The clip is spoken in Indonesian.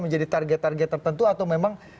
menjadi target target tertentu atau memang